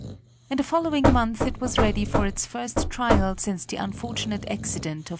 In the following month it was ready for its first trial since the unfortunate accident of 1903.